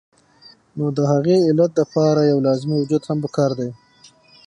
نو د هغې علت د پاره يو لازمي وجود هم پکار دے